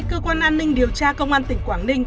cơ quan an ninh điều tra công an tỉnh quảng ninh